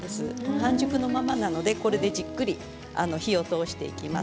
半熟のままなので、これでじっくり火を通していきます。